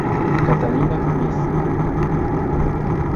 Catalina Miss.